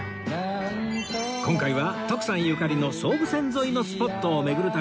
今回は徳さんゆかりの総武線沿いのスポットを巡る旅